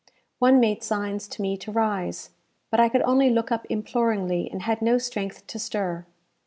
One made signs to me to rise, but I could only look up imploringly, and had no strength to stir.